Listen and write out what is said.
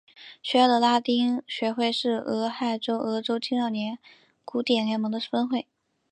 学校的拉丁学会是俄亥俄州青少年古典联盟的分会。